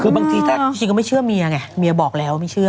คือบางทีถ้าจริงก็ไม่เชื่อเมียไงเมียบอกแล้วไม่เชื่อ